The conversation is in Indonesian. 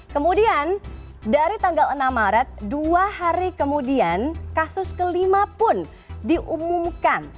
kemudian dari tanggal enam maret dua hari kemudian kasus kelima pun diumumkan